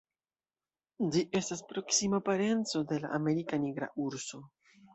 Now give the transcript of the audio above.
Ĝi estas proksima parenco de la Amerika nigra urso.